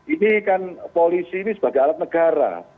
ini kan polisi ini sebagai alat negara